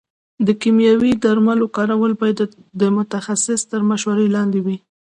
د کيمياوي درملو کارول باید د متخصص تر مشورې لاندې وي.